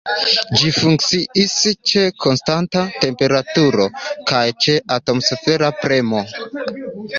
Ĝi funkciis ĉe konstanta temperaturo, kaj ĉe atmosfera premo.